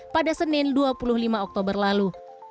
pada senin dua puluh lima oktober lalu